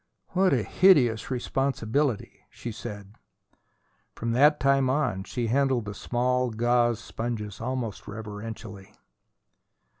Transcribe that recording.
"What a hideous responsibility!" she said. From that time on she handled the small gauze sponges almost reverently.